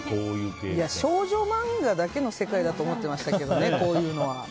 少女漫画だけの世界だと思ってましたけどこういうのは。